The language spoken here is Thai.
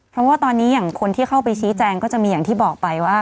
เพราะว่าตอนนี้อย่างคนที่เข้าไปชี้แจงก็จะมีอย่างที่บอกไปว่า